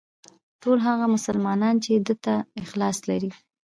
ټول هغه مسلمانان چې ده ته اخلاص لري.